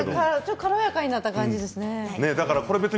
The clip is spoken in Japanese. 軽やかになった感じです。